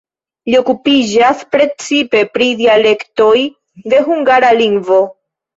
Li okupiĝas precipe pri dialektoj de la hungara lingvo.